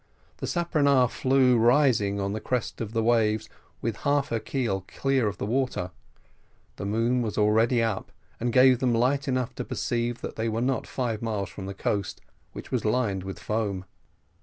The speronare flew, rising on the crest of the waves with half her keel clear of the water: the moon was already up, and gave them light enough to perceive that they were not five miles from the coast, which was lined with foam.